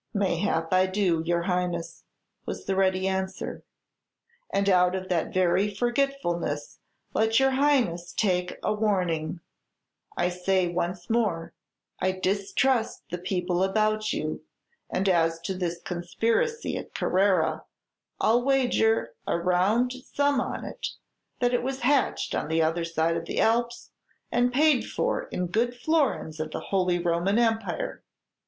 "Mayhap I do, your Highness," was the ready answer; "and out of that very forgetfulness let your Highness take a warning. I say, once more, I distrust the people about you; and as to this conspiracy at Carrara, I'll wager a round sum on it that it was hatched on t 'other side of the Alps, and paid for in good florins of the Holy Roman Empire.